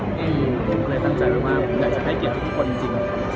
ผมก็เลยตั้งใจไว้ว่าผมอยากจะให้เกียรติทุกคนจริง